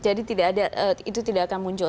jadi itu tidak akan muncul